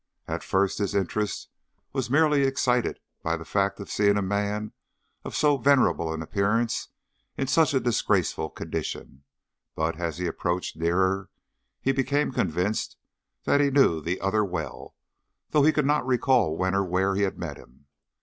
At first his interest was merely excited by the fact of seeing a man of so venerable an appearance in such a disgraceful condition, but as he approached nearer, he became convinced that he knew the other well, though he could not recall when or where he had met him.